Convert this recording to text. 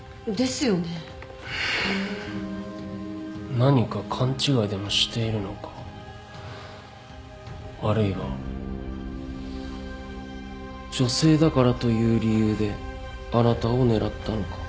何か勘違いでもしているのかあるいは女性だからという理由であなたを狙ったのか。